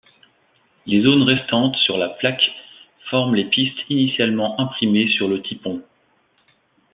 Les zones restantes sur la plaque forment les pistes initialement imprimées sur le typon.